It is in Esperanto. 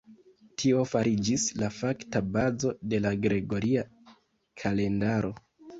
Tio fariĝis la fakta bazo de la gregoria kalendaro.